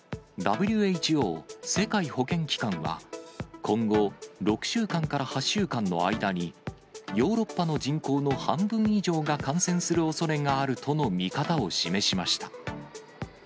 ＷＨＯ・世界保健機関は、今後、６週間から８週間の間に、ヨーロッパの人口の半分以上が感染するおそれがあるとの見方を示しました。